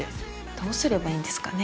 どうすればいいんですかね。